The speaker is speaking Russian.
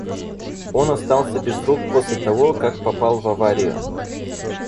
Он остался без рук после того, как попал в аварию.